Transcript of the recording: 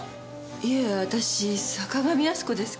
いいえ私坂上靖子ですけど。